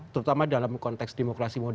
terutama dalam konteks demokrasi